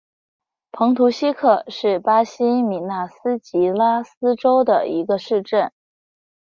蓬图希克是巴西米纳斯吉拉斯州的一个市镇。